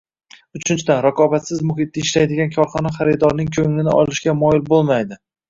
Uchinchidan, raqobatsiz muhitda ishlaydigan korxona xaridorning ko‘nglini olishga moyil bo‘lmaydi